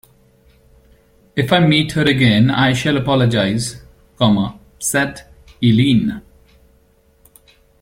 If I meet her again I shall apologize, said Eileen.